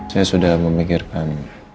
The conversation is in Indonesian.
saya sudah memikirkan